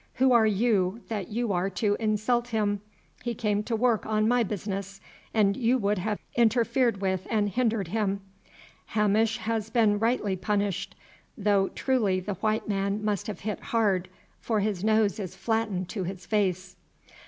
"Who are you that you are to insult him? He came to work on my business, and you would have interfered with and hindered him. Hamish has been rightly punished, though truly the white man must have hit hard, for his nose is flattened to his face.